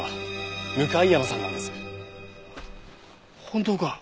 本当か？